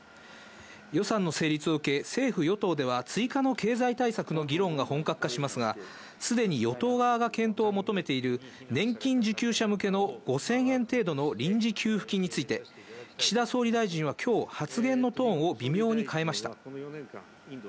予算の成立を受け、政府・与党では、追加の経済対策の議論が本格化しますが、すでに与党側が検討を求めている、年金受給者向けの５０００円程度の臨時給付金について、岸田総理大臣はきょう、発言のトーンを微妙に変えました。